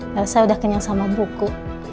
saya udah kenyang sama buku